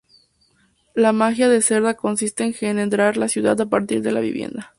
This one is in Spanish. La magia de Cerdá consiste a engendrar la ciudad a partir de la vivienda.